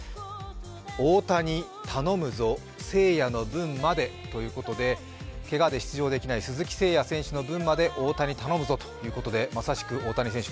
「大谷頼むぞせいやの分まで」ということでけがで出場できない鈴木誠也選手の分まで大谷頼むぞということでまさしく大谷選手